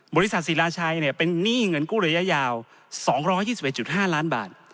บริษัทศิลาชัยเป็นหนี้เงินกู้ระยะยาว๒๒๑๕ล้านบาท